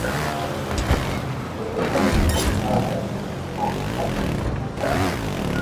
湖广戊子乡试。